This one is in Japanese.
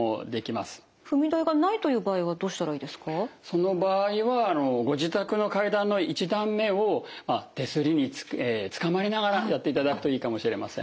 その場合はご自宅の階段の１段目を手すりにつかまりながらやっていただくといいかもしれません。